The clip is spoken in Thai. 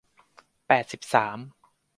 แปดสิบสาม